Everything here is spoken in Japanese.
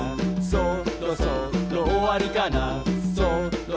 「そろそろおわりかな」